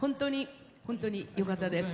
本当によかったです。